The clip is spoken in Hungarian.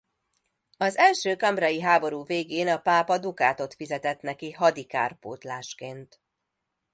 Az első cambrai-i háború végén a pápa dukátot fizetett neki hadi kárpótlásként.